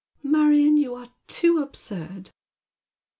" Marion, you are too absurd